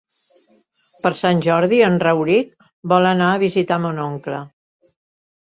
Per Sant Jordi en Rauric vol anar a visitar mon oncle.